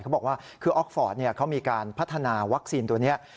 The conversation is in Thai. เขาบอกว่าคือออกฟอร์ตเขามีการพัฒนาวัคซีนตัวนี้